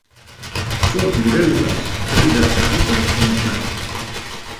Són libèl·lules de mida petita o mitjana.